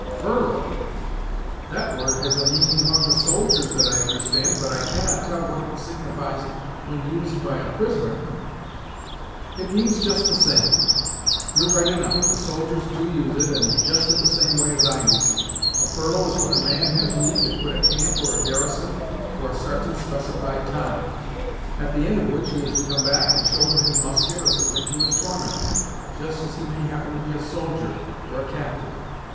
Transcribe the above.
"Furlough! That word has a meaning among the soldiers that I understand; but I cannot tell what it signifies when used by a prisoner." "It means just the same. You're right enough; the soldiers do use it, and just in the same way as I use it. A furlough is when a man has leave to quit a camp or a garrison for a sartain specified time; at the end of which he is to come back and shoulder his musket, or submit to his torments, just as he may happen to be a soldier, or a captyve.